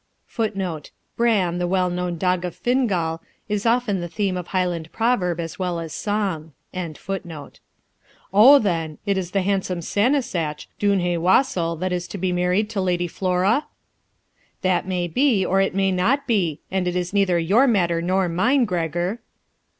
[Footnote: Bran, the well known dog of Fingal. is often the theme of Highland proverb as well as song.] 'O, then, it is the handsome Sassenach duinhe wassel that is to be married to Lady Flora?' 'That may be, or it may not be; and it is neither your matter nor mine, Gregor.'